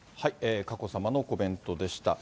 佳子さまのコメントでした。